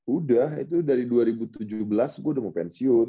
udah itu dari dua ribu tujuh belas gue udah mau pensiun